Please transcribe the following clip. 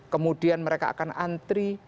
kemudian mereka akan antri